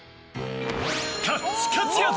カッチカチやぞ！